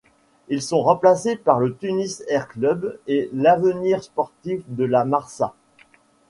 Ils sont remplacés par le Tunis Air Club et l’Avenir sportif de La Marsa.